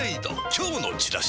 今日のチラシで